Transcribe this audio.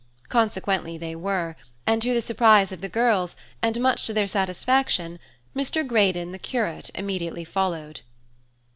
Consequently they were; and to the surprise of the girls, and much to their satisfaction, Mr. Greydon, the curate, immediately followed.